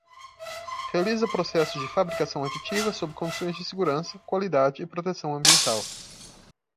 Realiza processos de fabricação aditiva sob condições de segurança, qualidade e proteção ambiental.